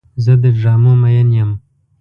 زه د ډرامو مین یم.